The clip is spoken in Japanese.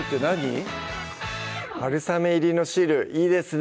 はるさめ入りの汁いいですね